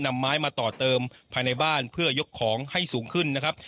นำไม้มาต่อเติมภายในบ้านเพื่อยกของให้สูงขึ้นนะครับ